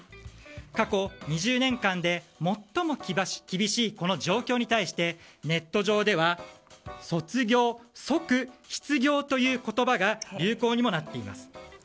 過去２０年間で最も厳しい、この状況に対しネット上では卒業即失業という言葉が流行にもなっています。